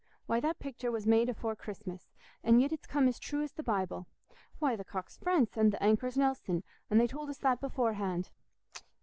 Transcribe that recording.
Why, that pictur was made afore Christmas, and yit it's come as true as th' Bible. Why, th' cock's France, an' th' anchor's Nelson—an' they told us that beforehand."